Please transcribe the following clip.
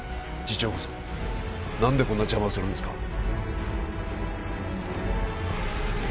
次長こそ何でこんな邪魔をするんですか？